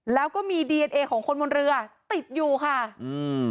แล้วก็มีดีเอนเอของคนบนเรือติดอยู่ค่ะอืม